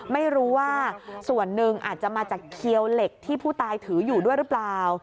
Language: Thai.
ไม่รู้ว่าส่วนหนึ่งอาจจะมาจากเคี้ยวเหล็กที่ผู้ตายถืออยู่ด้วยหรือเปล่า